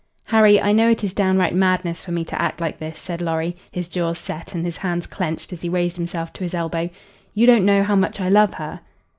"Harry, I know it is downright madness for me to act like this," said Lorry, his jaws set and his hands clenched as he raised himself to his elbow. "You don't know how much I love her."